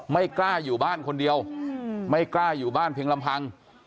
ไม่กล้าอยู่บ้านคนเดียวไม่กล้าอยู่บ้านเพียงลำพัง